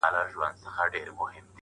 تا پښه ورته بنده کړې